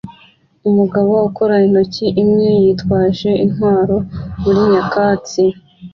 Umugabo ukora intoki imwe yitwaje intwaro muri nyakatsi